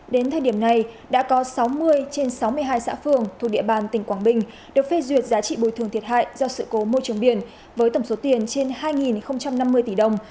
đến thời điểm này đã có sáu mươi trên sáu mươi hai xã phường thuộc địa bàn tỉnh quảng bình được phê duyệt giá trị bồi thường thiệt hại do sự cố môi trường biển với tổng số tiền trên hai năm mươi tỷ đồng